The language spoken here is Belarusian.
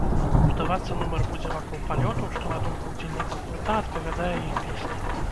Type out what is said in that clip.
Будавацца нумар будзе вакол палёту, што, на думку ўдзельнікаў гурта, адпавядае іх песні.